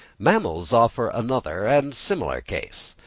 Mammals offer another and similar case.